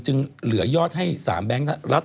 เหลือยอดให้๓แบงค์รัฐ